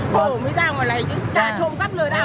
bỏ mới ra ngoài làm gì